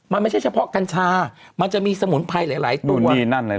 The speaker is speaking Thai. มันไม่ใช่เฉพาะกัญชามันจะมีสมุนไพรหลายตัว